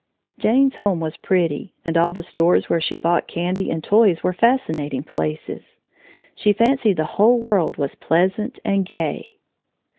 Jane's home was pretty and all the stores where she bought candy and toys were fascinating places. She fancied the whole world was pleasant and gay.